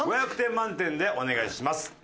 ５００点満点でお願いします。